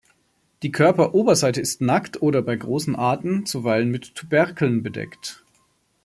Die Körperoberseite ist nackt oder, bei großen Arten, zuweilen mit Tuberkeln bedeckt.